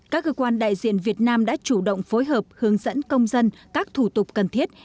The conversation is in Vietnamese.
các cơ quan đại diện việt nam đã chủ động phối hợp hướng dẫn công dân các thủ tục cần thiết